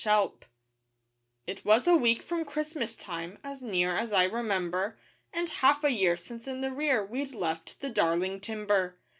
THE PAROO It was a week from Christmas time, As near as I remember, And half a year since in the rear We'd left the Darling Timber.